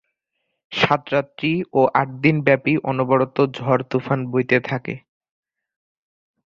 সাত রাত্রি ও আট দিন ব্যাপী অনবরত ঝড়-তুফান বইতে থাকে।